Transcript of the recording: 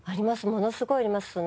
ものすごいあります。